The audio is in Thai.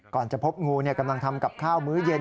จะพบงูกำลังทำกับข้าวมื้อเย็น